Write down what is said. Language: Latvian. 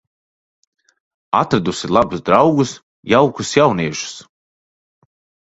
Atradusi labus draugus, jaukus jauniešus.